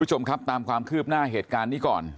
คุณผู้ชมครับตามความคืบหน้าเหตุการณ์นี้ก่อน